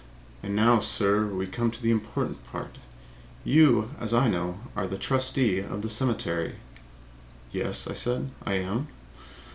And now, sir, we come to the important part. You, as I know, are a trustee of the cemetery." "Yes," I said, "I am."